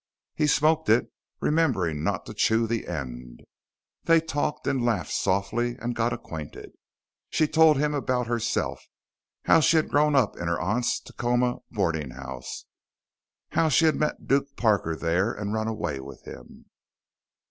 He smoked it, remembering not to chew the end. They talked and laughed softly and got acquainted. She told him about herself; how she had grown up in her aunt's Tacoma boarding house, how she had met Duke Parker there and run away with him.